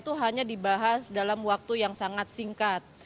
itu hanya dibahas dalam waktu yang sangat singkat